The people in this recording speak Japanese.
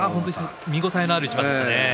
見応えのある一番でした。